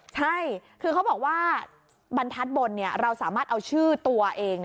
ใช่คือเขาบอกว่าบรรทัศน์บนเราสามารถเอาชื่อตัวเอง